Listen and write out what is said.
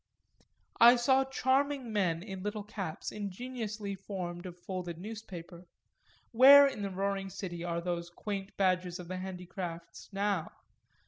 I saw charming men in little caps ingeniously formed of folded newspaper where in the roaring city are those quaint badges of the handicrafts now?